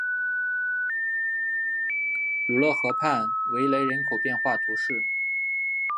鲁勒河畔维雷人口变化图示